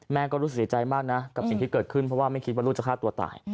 ก็รู้สึกเสียใจมากนะกับสิ่งที่เกิดขึ้นเพราะว่าไม่คิดว่าลูกจะฆ่าตัวตาย